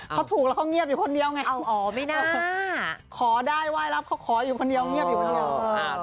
เขาถูกแล้วเขาเงียบอยู่คนเดียวไงเอาอ๋อไม่น่าขอได้ไหว้รับเขาขออยู่คนเดียวเงียบอยู่คนเดียว